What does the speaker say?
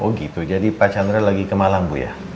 oh gitu jadi pak chandra lagi ke malang bu ya